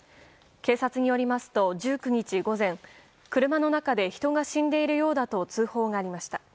警察によりますと１９日午前車の中で人が死んでいるようだと通報がありました。